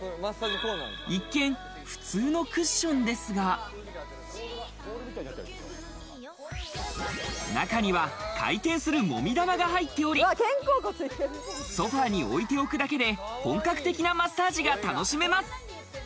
一見、普通のクッションですが、中には回転する揉み玉が入っており、ソファに置いておくだけで本格的なマッサージが楽しめます。